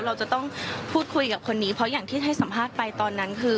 เราจะต้องพูดคุยกับคนนี้เพราะอย่างที่ให้สัมภาษณ์ไปตอนนั้นคือ